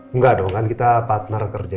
enggak dong kan kita partner kerja